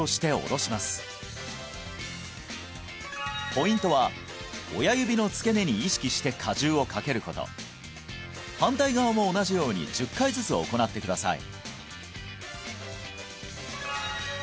ポイントは親指の付け根に意識して荷重をかけること反対側も同じように１０回ずつ行ってください